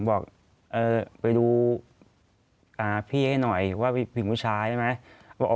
บอกไปดูพี่ให้หน่อยว่าเป็นผู้ชายใ่ไหม